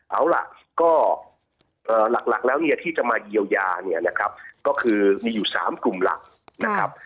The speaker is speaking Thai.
เอาล่ะก็หลักแล้วเนี่ยที่จะมาเยียวยาเนี่ยนะครับก็คือมีอยู่๓กลุ่มหลักนะครับ